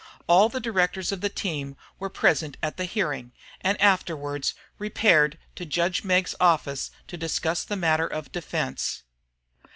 All the directors of the team were present at the hearing, and afterwards repaired to judge Meggs's office to discuss the matter of defence.